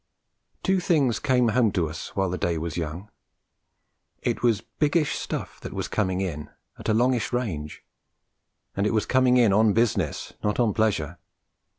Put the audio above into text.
Two things came home to us while the day was young. It was biggish stuff that was coming in, at a longish range; and it was coming in on business, not on pleasure.